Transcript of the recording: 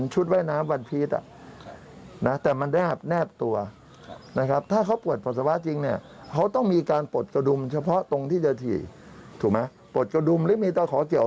ชีวิตได้สองวันเนี่ย